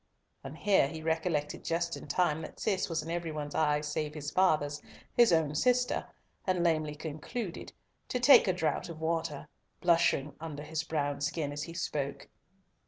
And here he recollected just in time that Cis was in every one's eyes save his father's, his own sister, and lamely concluded "to take a draught of water," blushing under his brown skin as he spoke.